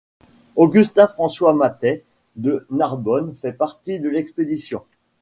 Augustin-François Motais de Narbonne fait partie de l'expédition.